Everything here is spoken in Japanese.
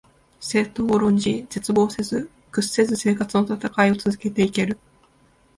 政党を論じ、絶望せず、屈せず生活のたたかいを続けて行ける